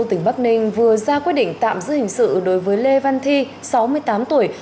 tỉnh bắc ninh vừa ra quyết định tạm giữ hình sự đối với lê văn thi sáu mươi tám tuổi